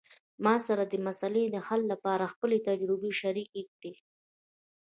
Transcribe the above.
ما سره د دې مسئلې د حل لپاره خپلې تجربې شریکي کړئ